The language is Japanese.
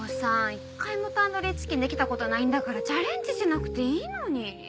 １回もタンドリーチキン出来たことないんだからチャレンジしなくていいのに。